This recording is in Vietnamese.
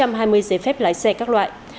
giấy phép lái xe các loại